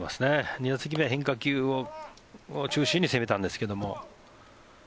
２打席目は変化球を中心に攻めたんですけども。